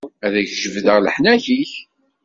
Ad ak-jebdeɣ leḥnak-ik.